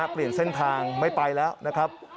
เปลี่ยนเส้นทางไม่ไปแล้วนะครับ